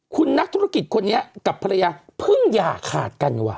คุณนักธุรกิจคนนี้กับภรรยาเพิ่งอย่าขาดกันว่ะ